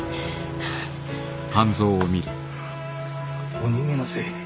お逃げなせえ。